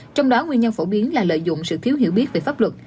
trong đó nguyên nhân phổ biến là lợi dụng sự thiếu hiểu biết về pháp luật